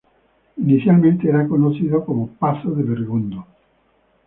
Inicialmente era conocido como "Pazo de Bergondo".